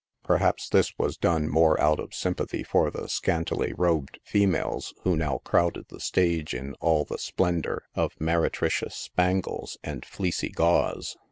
Perhaps this was done more out of sympathy for the scantily robed females who now crowded the stage in all the splendor of meretricious spangles ana* fleecy gauze.